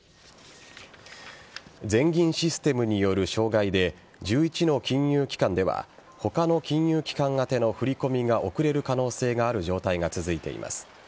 全銀システムによる障害で１１の金融機関では他の金融機関宛ての振り込みが遅れる可能性がある状態が続いています。